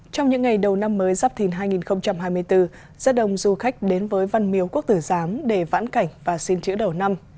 trong những ngày đầu năm mới giáp thìn hai nghìn hai mươi bốn rất đông du khách đến với văn miếu quốc tử giám để vãn cảnh và xin chữ đầu năm